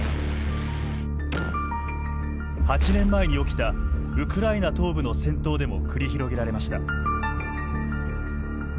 ８年前に起きたウクライナ東部の戦闘でも繰り広げられました。